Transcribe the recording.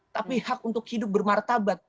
tapi hak untuk hidup bermartabat